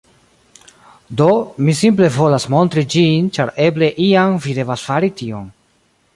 Do, mi simple volas montri ĝin ĉar eble iam vi devas fari tion